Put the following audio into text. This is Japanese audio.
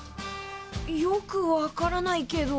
よくわからないけど。